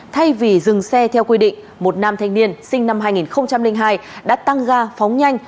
thay vì dừng xe theo quy định một nam thanh niên sinh năm hai nghìn hai đã tăng ga phóng nhanh